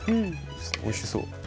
おいしそう。